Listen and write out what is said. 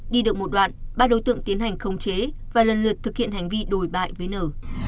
đi được một đoạn ba đối tượng tiến hành không chế và lần lượt thực hiện hành vi đổi bại với nờ